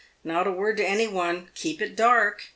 Not a word to any one — keep it dark.